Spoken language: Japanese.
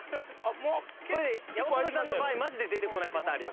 八乙女さんの場合マジで出てこないパターンあるよ。